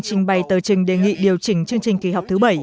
trình bày tờ trình đề nghị điều chỉnh chương trình kỳ họp thứ bảy